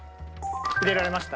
入れられました？